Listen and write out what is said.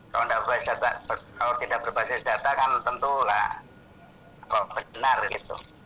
kalau tidak berbasis data kan tentu lah benar gitu